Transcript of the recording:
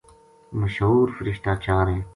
مشہور فرشتہ چار ہیں۔